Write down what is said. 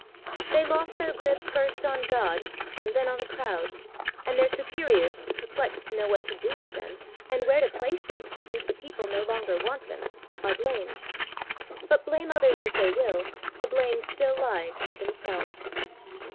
95 They lost their grip first on God and then on the crowd, and their superiors, per plexed to know what to do with them, and where to place them, since the people no longer want them, are blamed. But blame others as they will, the blame still lies with themseK'es.